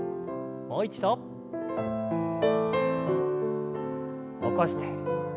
もう一度。起こして。